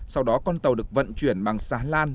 sau đó con tàu được vận chuyển bằng xà lan